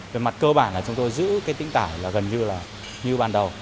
về mặt cơ bản là chúng tôi giữ cái tính tải là gần như là như ban đầu